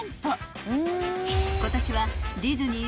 ［今年は］